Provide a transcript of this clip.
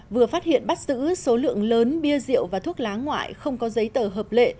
vừa phát hiện bắt giữ số lượng lớn bia rượu và thuốc lá ngoại không có giấy tờ hợp lệ